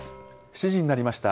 ７時になりました。